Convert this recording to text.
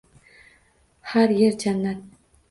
Har yer "jannat".